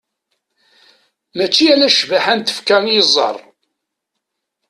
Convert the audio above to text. Mačči ala ccbaḥa n tfekka i yeẓẓar.